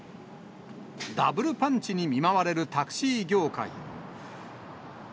ダブルパンチに見舞われるタクシー業界。